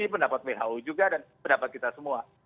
pendapat who juga dan pendapat kita semua